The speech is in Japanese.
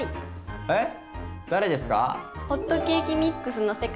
え⁉誰ですか？